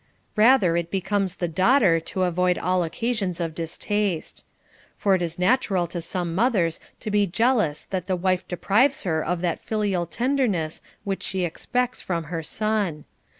Rather it becomes the daughter to avoid all occasions of distaste. For it is natural to some mothers to be jealous that the wife deprives her of that filial tenderness which she expects from her son.